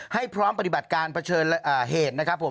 ให้พร้อมปฏิบัติการเผชิญเหตุนะครับผม